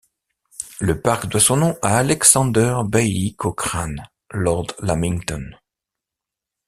Le parc doit son nom à Alexander Baillie-Cochrane, Lord Lamington.